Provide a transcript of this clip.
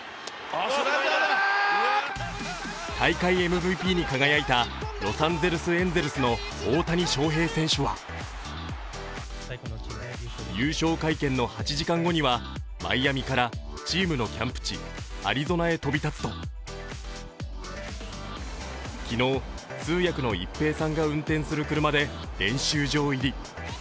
大会ＭＶＰに輝いたロサンゼルス・エンゼルスの大谷翔平選手は優勝会見の８時間後にはマイアミからチームのキャンプ地・アリゾナへ飛び立つと昨日、通訳の一平さんが運転する車で練習場入り。